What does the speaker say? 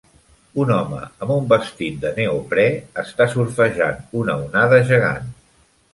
Un home amb un vestit de neoprè està surfejant una onada gegant.